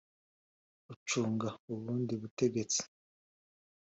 icunga ubundi butegetsi